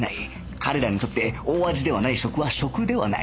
彼らにとって大味ではない食は食ではない